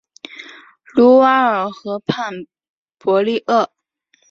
卢瓦尔河畔博利厄。